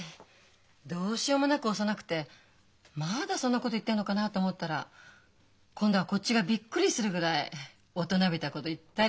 どうしようもなく幼くてまだそんなこと言ってんのかなと思ったら今度はこっちがびっくりするぐらい大人びたこと言ったり。